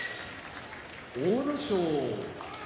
阿武咲